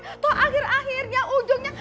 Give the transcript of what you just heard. atau akhir akhirnya ujungnya